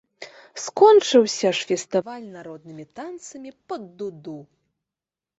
Скончыўся ж фестываль народнымі танцамі пад дуду.